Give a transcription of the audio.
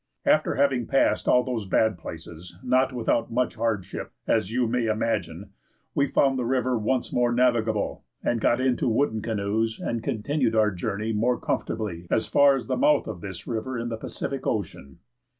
After having passed all those bad places, not without much hardship, as you may imagine, we found the river once more navigable, and got into wooden canoes and continued our journey more comfortably as far as the mouth of this river in the Pacific Ocean.